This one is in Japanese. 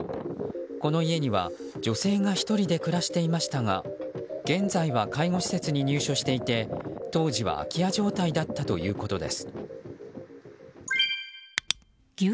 この家には女性が１人で暮らしていましたが現在は介護施設に入所していて当時は空き家状態だったということです。